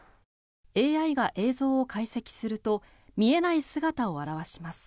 ＡＩが映像を解析すると見えない姿を現します。